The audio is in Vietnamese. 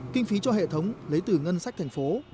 kinh phí cho hệ thống lấy từ ngân sách thành phố